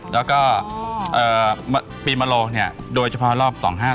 แล้วก็ปีมโลเนี่ยโดยเฉพาะรอบ๒๕๖